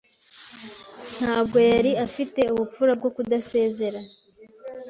Ntabwo yari afite ubupfura bwo kudasezera.